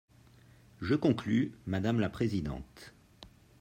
Je conclus, madame la présidente.